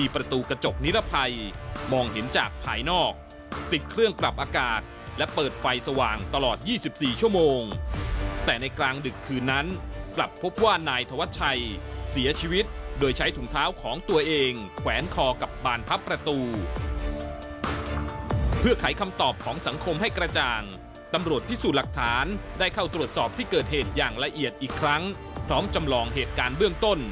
ภัยมองเห็นจากภายนอกติดเครื่องกลับอากาศและเปิดไฟสว่างตลอด๒๔ชั่วโมงแต่ในกลางดึกคืนนั้นกลับพบว่านายทวชัยเสียชีวิตโดยใช้ถุงเท้าของตัวเองแขวนคอกับบานพับประตูเพื่อไขคำตอบของสังคมให้กระจ่างตำรวจพิสูจน์หลักฐานได้เข้าตรวจสอบที่เกิดเหตุอย่างละเอียดอีกครั้งพร้อมจำลองเหตุ